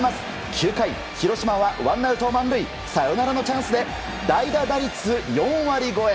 ９回、広島はワンアウト満塁サヨナラのチャンスで代打打率４割超え。